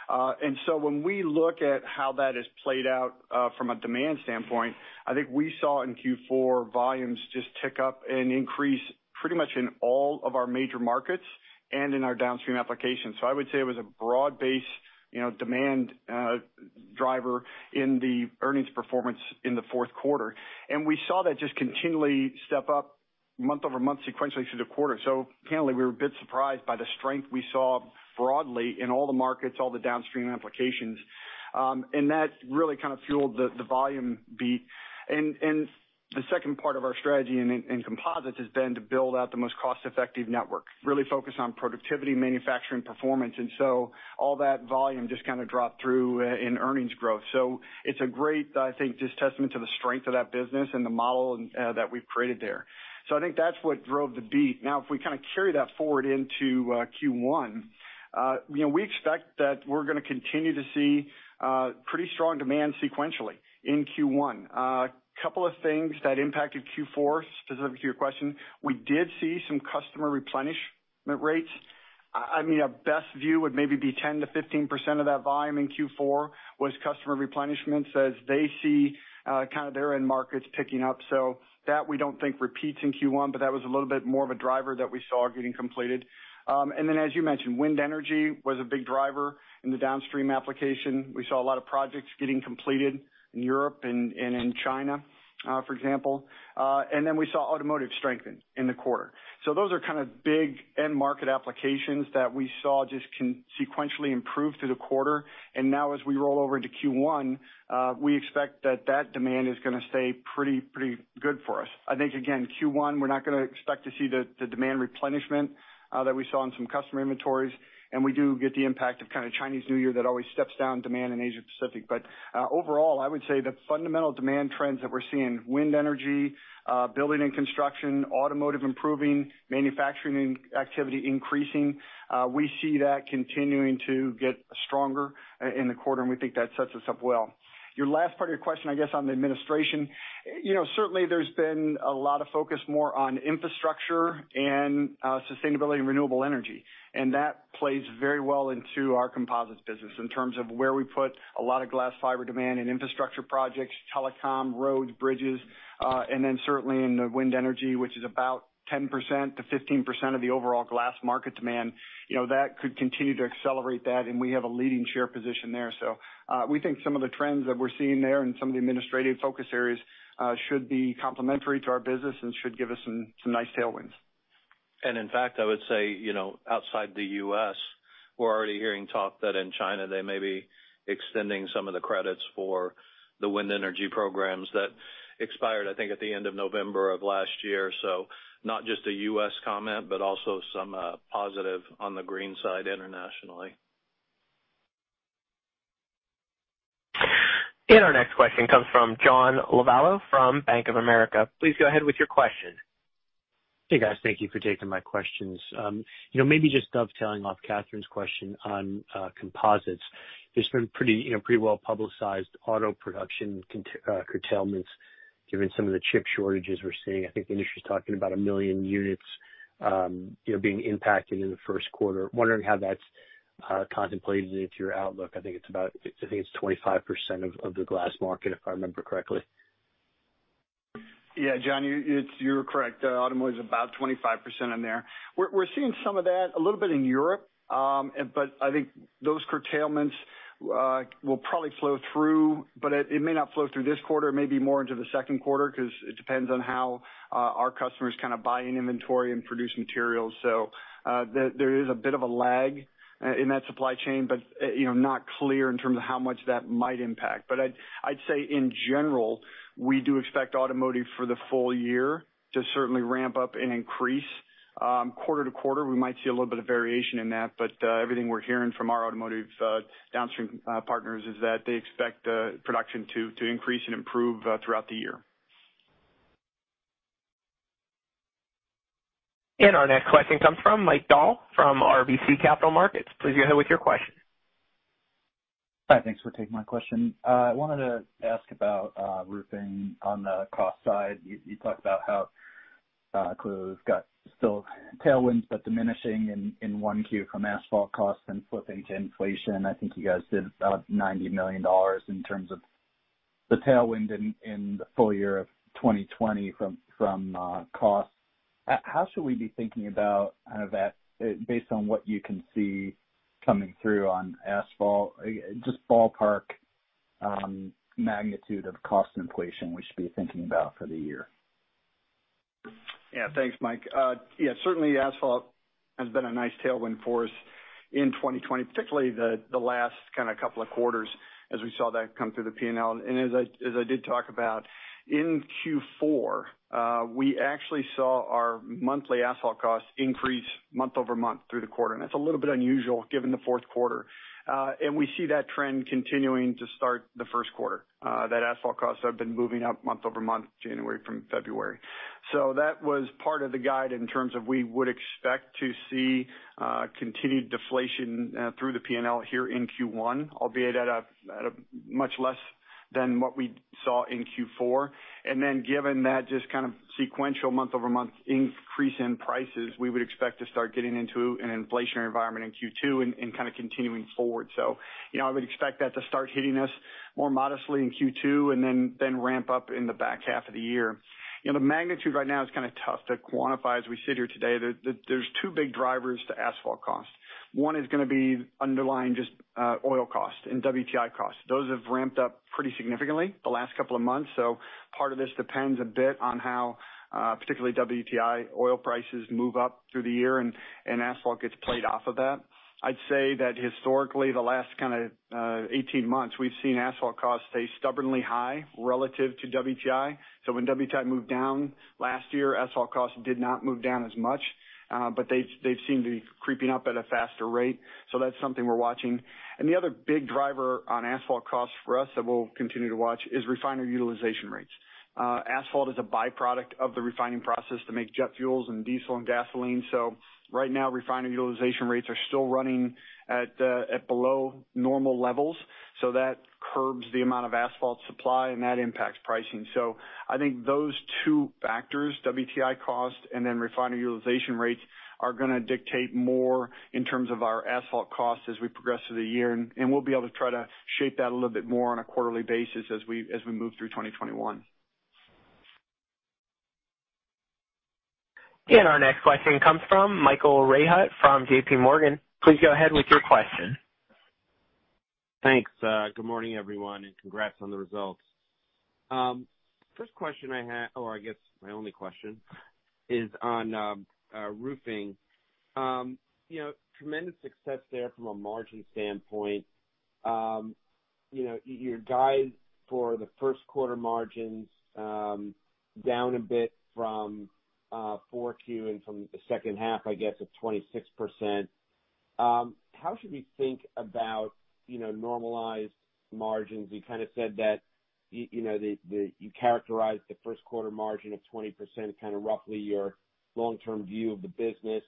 And so when we look at how that has played out from a demand standpoint, I think we saw in Q4 volumes just tick up and increase pretty much in all of our major markets and in our downstream applications. So I would say it was a broad-based demand driver in the earnings performance in the fourth quarter. And we saw that just continually step up month-over-month sequentially through the quarter. So candidly, we were a bit surprised by the strength we saw broadly in all the markets, all the downstream applications. And that really kind of fueled the volume beat. And the second part of our strategy in composites has been to build out the most cost-effective network, really focus on productivity, manufacturing performance. And so all that volume just kind of dropped through in earnings growth. It's a great, I think, just testament to the strength of that business and the model that we've created there. So I think that's what drove the beat. Now, if we kind of carry that forward into Q1, we expect that we're going to continue to see pretty strong demand sequentially in Q1. A couple of things that impacted Q4, specifically to your question, we did see some customer replenishment rates. I mean, our best view would maybe be 10%-15% of that volume in Q4 was customer replenishments as they see kind of their end markets picking up. So that we don't think repeats in Q1, but that was a little bit more of a driver that we saw getting completed. And then, as you mentioned, wind energy was a big driver in the downstream application. We saw a lot of projects getting completed in Europe and in China, for example, and then we saw automotive strengthen in the quarter. So those are kind of big end market applications that we saw just sequentially improve through the quarter, and now, as we rollover into Q1, we expect that that demand is going to stay pretty good for us. I think, again, Q1, we're not going to expect to see the demand replenishment that we saw in some customer inventories, and we do get the impact of kind of Chinese New Year that always steps down demand in Asia-Pacific, but overall, I would say the fundamental demand trends that we're seeing: wind energy, building and construction, automotive improving, manufacturing activity increasing. We see that continuing to get stronger in the quarter, and we think that sets us up well. Your last part of your question, I guess, on the administration, certainly there's been a lot of focus more on infrastructure and sustainability and renewable energy. And that plays very well into our composites business in terms of where we put a lot of glass fiber demand in infrastructure projects, telecom, roads, bridges. And then certainly in the wind energy, which is about 10%-15% of the overall glass market demand, that could continue to accelerate that. And we have a leading share position there. So we think some of the trends that we're seeing there and some of the administrative focus areas should be complementary to our business and should give us some nice tailwinds. In fact, I would say outside the U.S., we're already hearing talk that in China they may be extending some of the credits for the wind energy programs that expired, I think, at the end of November of last year. So not just a U.S. comment, but also some positive on the green side internationally. Our next question comes from John Lovallo from Bank of America. Please go ahead with your question. Hey, guys. Thank you for taking my questions. Maybe just dovetailing off Kathryn's question on composites. There's been pretty well-publicized auto production curtailments given some of the chip shortages we're seeing. I think the industry is talking about a million units being impacted in the first quarter. Wondering how that's contemplated into your outlook. I think it's about, I think it's 25% of the glass market, if I remember correctly. Yeah, John, you're correct. Automotive is about 25% in there. We're seeing some of that a little bit in Europe, but I think those curtailments will probably flow through, but it may not flow through this quarter, maybe more into the second quarter because it depends on how our customers kind of buy in inventory and produce materials. So there is a bit of a lag in that supply chain, but not clear in terms of how much that might impact. But I'd say in general, we do expect automotive for the full year to certainly ramp up and increase. Quarter-to-quarter, we might see a little bit of variation in that. But everything we're hearing from our automotive downstream partners is that they expect production to increase and improve throughout the year. And our next question comes from Mike Dahl from RBC Capital Markets. Please go ahead with your question. Hi, thanks for taking my question. I wanted to ask about roofing on the cost side. You talked about how we got still tailwinds, but diminishing in Q1 from asphalt costs and flipping to inflation. I think you guys did about $90 million in terms of the tailwind in the full year of 2020 from costs. How should we be thinking about kind of that based on what you can see coming through on asphalt, just ballpark magnitude of cost inflation we should be thinking about for the year? Yeah, thanks, Mike. Yeah, certainly asphalt has been a nice tailwind for us in 2020, particularly the last kind of couple of quarters as we saw that come through the P&L. And as I did talk about, in Q4, we actually saw our monthly asphalt costs increase month-over-month through the quarter. And that's a little bit unusual given the fourth quarter. And we see that trend continuing to start the first quarter. That asphalt costs have been moving up month over month, January from February. So that was part of the guide in terms of we would expect to see continued deflation through the P&L here in Q1, albeit at a much less than what we saw in Q4. And then given that just kind of sequential month-over-month increase in prices, we would expect to start getting into an inflationary environment in Q2 and kind of continuing forward. So I would expect that to start hitting us more modestly in Q2 and then ramp up in the back half of the year. The magnitude right now is kind of tough to quantify as we sit here today. There's two big drivers to asphalt costs. One is going to be underlying just oil costs and WTI costs. Those have ramped up pretty significantly the last couple of months. So part of this depends a bit on how particularly WTI oil prices move up through the year and asphalt gets priced off of that. I'd say that historically, the last kind of 18 months, we've seen asphalt costs stay stubbornly high relative to WTI. So when WTI moved down last year, asphalt costs did not move down as much, but they've seemed to be creeping up at a faster rate. So that's something we're watching. And the other big driver on asphalt costs for us that we'll continue to watch is refinery utilization rates. Asphalt is a byproduct of the refining process to make jet fuels and diesel and gasoline. So right now, refinery utilization rates are still running at below normal levels. So that curbs the amount of asphalt supply, and that impacts pricing. So I think those two factors, WTI costs and then refinery utilization rates, are going to dictate more in terms of our asphalt costs as we progress through the year. And we'll be able to try to shape that a little bit more on a quarterly basis as we move through 2021. And our next question comes from Michael Rehaut from J.P. Morgan. Please go ahead with your question. Thanks. Good morning, everyone, and congrats on the results. First question I have, or I guess my only question, is on roofing. Tremendous success there from a margin standpoint. Your guide for the first quarter margins down a bit from Q4 and from the second half, I guess, of 26%. How should we think about normalized margins? You kind of said that you characterized the first quarter margin of 20%, kind of roughly your long-term view of the business.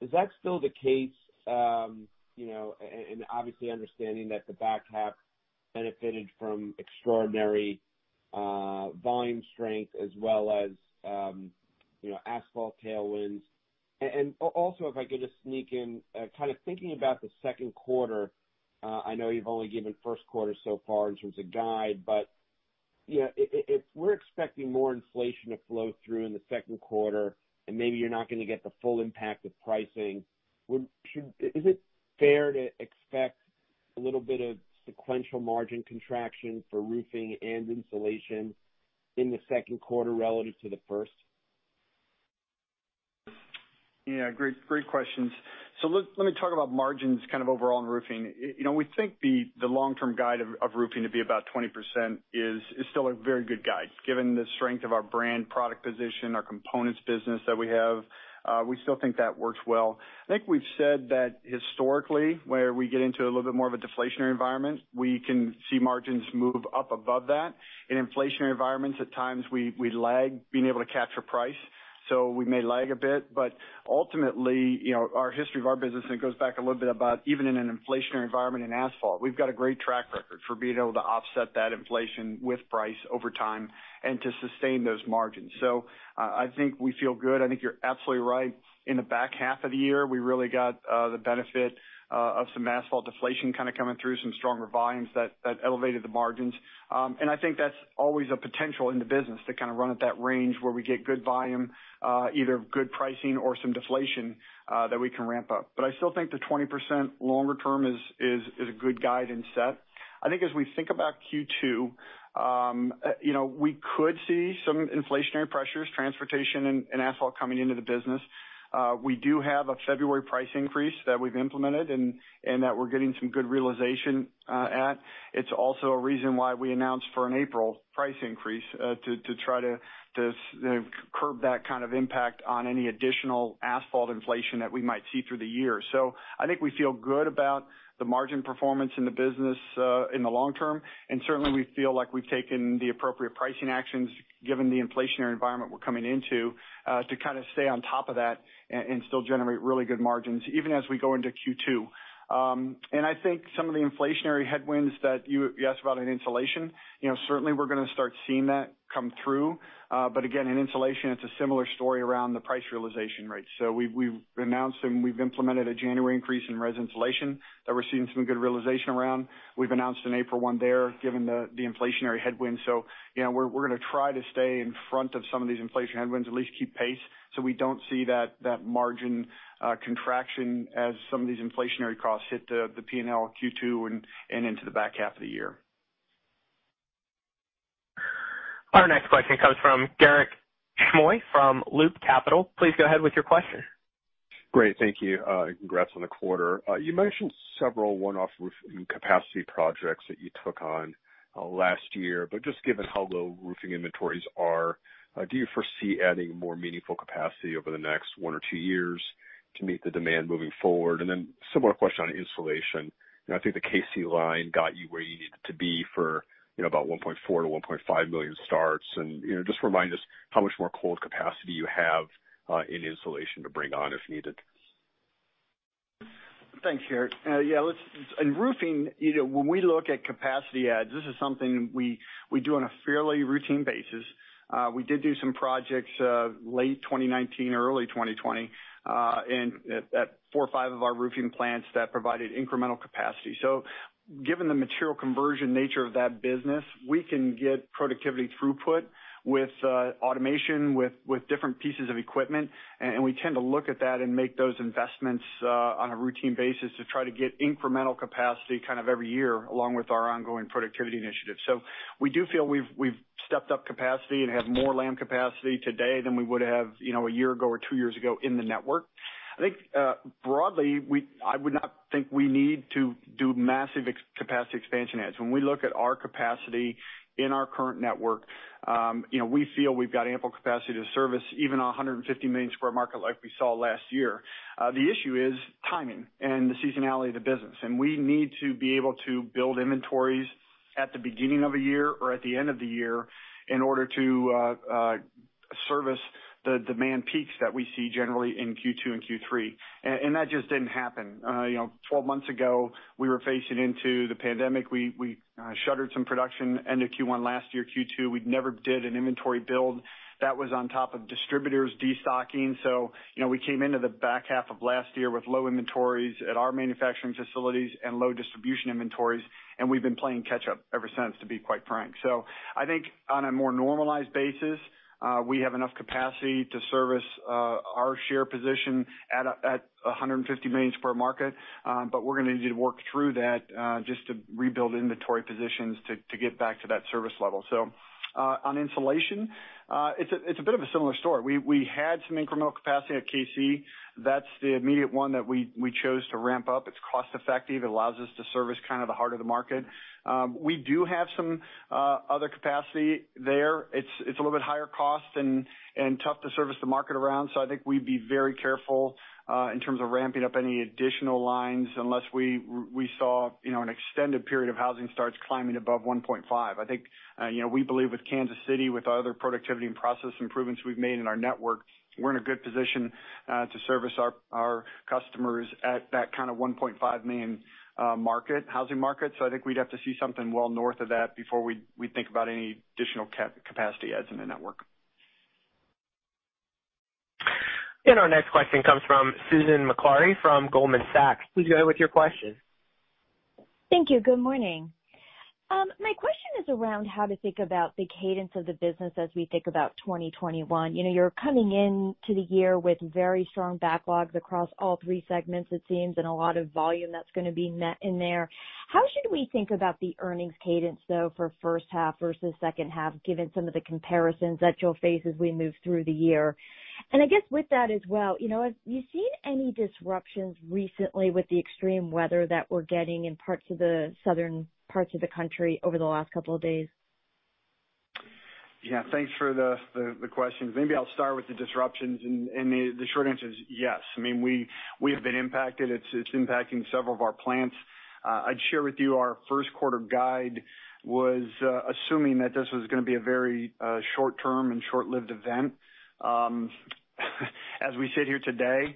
Is that still the case? And obviously, understanding that the back half benefited from extraordinary volume strength as well as asphalt tailwinds. And also, if I get to sneak in, kind of thinking about the second quarter, I know you've only given first quarter so far in terms of guide, but if we're expecting more inflation to flow through in the second quarter and maybe you're not going to get the full impact of pricing, is it fair to expect a little bit of sequential margin contraction for roofing and insulation in the second quarter relative to the first? Yeah, great questions. So let me talk about margins kind of overall in roofing. We think the long-term guide of roofing to be about 20% is still a very good guide. Given the strength of our brand, product position, our components business that we have, we still think that works well. I think we've said that historically, where we get into a little bit more of a deflationary environment, we can see margins move up above that. In inflationary environments, at times, we lag being able to capture price. So we may lag a bit, but ultimately, our history of our business, and it goes back a little bit about even in an inflationary environment in asphalt, we've got a great track record for being able to offset that inflation with price over time and to sustain those margins. So I think we feel good. I think you're absolutely right. In the back half of the year, we really got the benefit of some asphalt deflation kind of coming through, some stronger volumes that elevated the margins, and I think that's always a potential in the business to kind of run at that range where we get good volume, either good pricing or some deflation that we can ramp up, but I still think the 20% longer term is a good guide and set. I think as we think about Q2, we could see some inflationary pressures, transportation and asphalt coming into the business. We do have a February price increase that we've implemented and that we're getting some good realization at. It's also a reason why we announced for an April price increase to try to curb that kind of impact on any additional asphalt inflation that we might see through the year. So I think we feel good about the margin performance in the business in the long term. And certainly, we feel like we've taken the appropriate pricing actions, given the inflationary environment we're coming into, to kind of stay on top of that and still generate really good margins, even as we go into Q2. And I think some of the inflationary headwinds that you asked about in insulation, certainly we're going to start seeing that come through. But again, in insulation, it's a similar story around the price realization rates. So we've announced and we've implemented a January increase in residential insulation that we're seeing some good realization around. We've announced an April one there, given the inflationary headwinds. So we're going to try to stay in front of some of these inflationary headwinds, at least keep pace so we don't see that margin contraction as some of these inflationary costs hit the P&L Q2 and into the back half of the year. Our next question comes from Garik Shmois from Loop Capital. Please go ahead with your question. Great. Thank you. And congrats on the quarter. You mentioned several one-off roofing capacity projects that you took on last year. But just given how low roofing inventories are, do you foresee adding more meaningful capacity over the next one or two years to meet the demand moving forward? And then similar question on insulation. I think the KC line got you where you needed to be for about 1.4 million-1.5 million starts. And just remind us how much more cold capacity you have in insulation to bring on if needed. Thanks, Garik. Yeah, in roofing, when we look at capacity adds, this is something we do on a fairly routine basis. We did do some projects late 2019, early 2020, and at four or five of our roofing plants that provided incremental capacity. So given the material conversion nature of that business, we can get productivity throughput with automation, with different pieces of equipment. And we tend to look at that and make those investments on a routine basis to try to get incremental capacity kind of every-year along with our ongoing productivity initiative. So we do feel we've stepped up capacity and have more laminate capacity today than we would have a year ago or two years ago in the network. I think broadly, I would not think we need to do massive capacity expansion adds. When we look at our capacity in our current network, we feel we've got ample capacity to service even on 150 million square market like we saw last year. The issue is timing and the seasonality of the business. We need to be able to build inventories at the beginning of a year or at the end of the year in order to service the demand peaks that we see generally in Q2 and Q3. That just didn't happen. 12 months ago, we were facing into the pandemic. We shuttered some production end of Q1 last year, Q2. We never did an inventory build. That was on top of distributors destocking. So we came into the back half of last year with low inventories at our manufacturing facilities and low distribution inventories. We've been playing catch-up ever since, to be quite frank. I think on a more normalized basis, we have enough capacity to service our share position at 150 million per market. But we're going to need to work through that just to rebuild inventory positions to get back to that service level. On insulation, it's a bit of a similar story. We had some incremental capacity at KC. That's the immediate one that we chose to ramp up. It's cost-effective. It allows us to service kind of the heart of the market. We do have some other capacity there. It's a little bit higher cost and tough to service the market around. I think we'd be very careful in terms of ramping up any additional lines unless we saw an extended period of housing starts climbing above 1.5 million. I think we believe with Kansas City, with other productivity and process improvements we've made in our network, we're in a good position to service our customers at that kind of 1.5 million housing market. So I think we'd have to see something well north of that before we think about any additional capacity adds in the network. Our next question comes from Susan Maklari from Goldman Sachs. Please go ahead with your question. Thank you. Good morning. My question is around how to think about the cadence of the business as we think about 2021. You're coming into the year with very strong backlogs across all three segments, it seems, and a lot of volume that's going to be met in there. How should we think about the earnings cadence, though, for first half versus second half, given some of the comparisons that you'll face as we move through the year? And I guess with that as well, have you seen any disruptions recently with the extreme weather that we're getting in parts of the southern parts of the country over the last couple of days? Yeah, thanks for the questions. Maybe I'll start with the disruptions. And the short answer is yes. I mean, we have been impacted. It's impacting several of our plants. I'd share with you, our first quarter guide was assuming that this was going to be a very short-term and short-lived event. As we sit here today,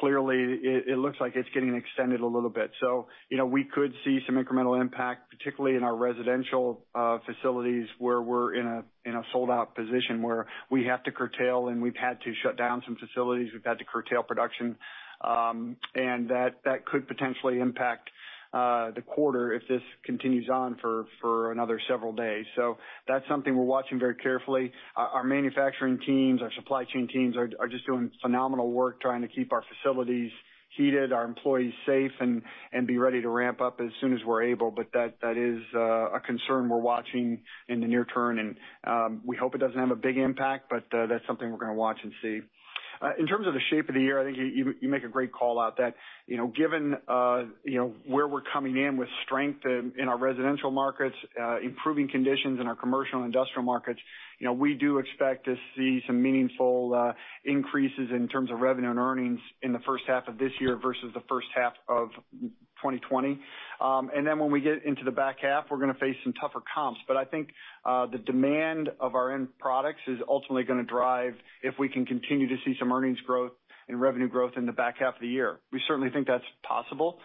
clearly, it looks like it's getting extended a little bit. So we could see some incremental impact, particularly in our residential facilities where we're in a sold-out position where we have to curtail, and we've had to shut down some facilities. We've had to curtail production. And that could potentially impact the quarter if this continues on for another several days. So that's something we're watching very carefully. Our manufacturing teams, our supply chain teams are just doing phenomenal work trying to keep our facilities heated, our employees safe, and be ready to ramp up as soon as we're able. But that is a concern we're watching in the near term. And we hope it doesn't have a big impact, but that's something we're going to watch and see. In terms of the shape of the year, I think you make a great call out that given where we're coming in with strength in our residential markets, improving conditions in our commercial and industrial markets, we do expect to see some meaningful increases in terms of revenue and earnings in the first half of this year versus the first half of 2020. And then when we get into the back half, we're going to face some tougher comps. But I think the demand of our end products is ultimately going to drive if we can continue to see some earnings growth and revenue growth in the back half of the year. We certainly think that's possible,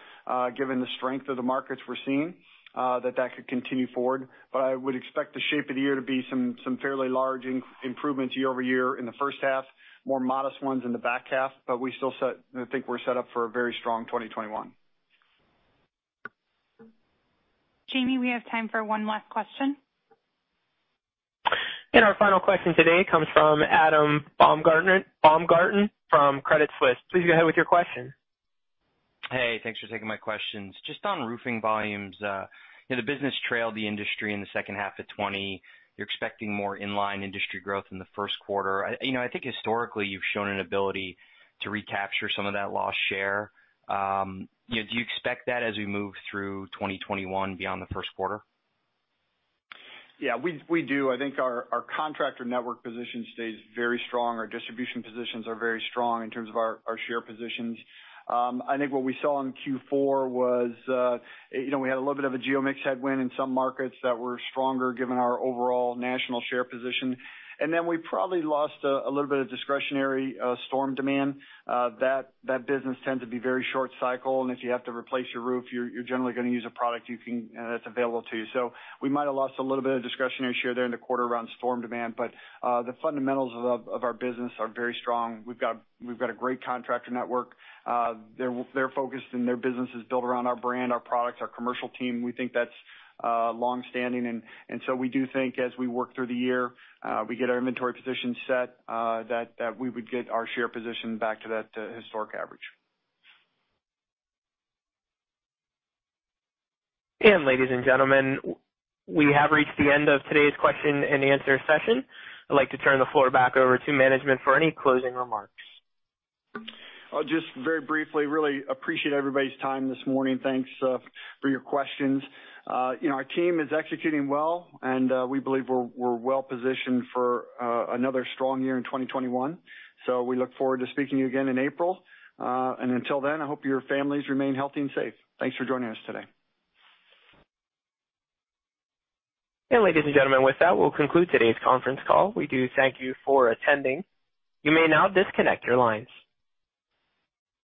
given the strength of the markets we're seeing, that that could continue forward. But I would expect the shape of the year to be some fairly large improvements year-over-year in the first half, more modest ones in the back half. But we still think we're set up for a very strong 2021. Jamie, we have time for one last question. And our final question today comes from Adam Baumgarten from Credit Suisse. Please go ahead with your question. Hey, thanks for taking my questions. Just on roofing volumes, the business trailed the industry in the second half of 2020. You're expecting more in-line industry growth in the first quarter. I think historically, you've shown an ability to recapture some of that lost share. Do you expect that as we move through 2021 beyond the first quarter? Yeah, we do. I think our contractor network position stays very strong. Our distribution positions are very strong in terms of our share positions. I think what we saw in Q4 was we had a little bit of a geo mix headwind in some markets that were stronger, given our overall national share position, and then we probably lost a little bit of discretionary storm demand. That business tends to be very short-cycle, and if you have to replace your roof, you're generally going to use a product that's available to you, so we might have lost a little bit of discretionary share there in the quarter around storm demand, but the fundamentals of our business are very strong. We've got a great contractor network. They're focused and their business is built around our brand, our products, our commercial team. We think that's long-standing, and so we do think as we work through the year, we get our inventory position set that we would get our share position back to that historic average. Ladies and gentlemen, we have reached the end of today's question and answer session. I'd like to turn the floor back over to management for any closing remarks. Just very briefly, really appreciate everybody's time this morning. Thanks for your questions. Our team is executing well, and we believe we're well-positioned for another strong year in 2021. So we look forward to speaking to you again in April. And until then, I hope your families remain healthy and safe. Thanks for joining us today. And ladies and gentlemen, with that, we'll conclude today's conference call. We do thank you for attending. You may now disconnect your lines.